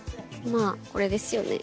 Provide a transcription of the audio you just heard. まあこれですよね。